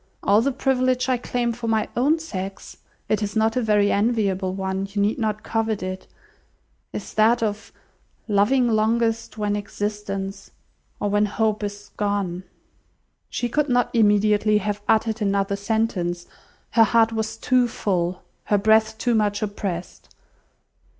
All the privilege I claim for my own sex (it is not a very enviable one; you need not covet it), is that of loving longest, when existence or when hope is gone." She could not immediately have uttered another sentence; her heart was too full, her breath too much oppressed.